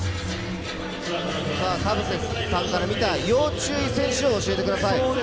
田臥さんから見た、要注意選手を教えてください。